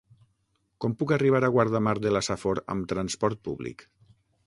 Com puc arribar a Guardamar de la Safor amb transport públic?